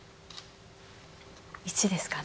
１ですかね？